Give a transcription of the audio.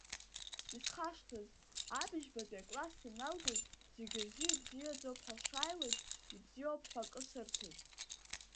Исхашҭыз, абыжьбатәи акласс саналгоз, зегьы рзы ибзиаӡоуп ҳәа сшааиуаз, ибзиоуп ҳәа акы сырҭеит.